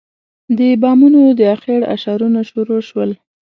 د بامونو د اخېړ اشارونه شروع شول.